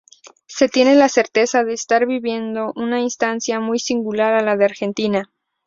Se tiene la certeza de estar viviendo una instancia muy singular de la Argentina.